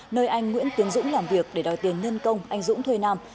nơi anh nguyễn tiến dũng làm việc để đòi tiền nhân công anh dũng thuê nam